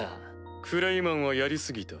クレイマンはやり過ぎた。